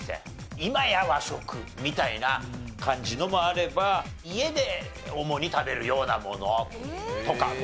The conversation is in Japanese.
今や和食みたいな感じのもあれば家で主に食べるようなものとかも。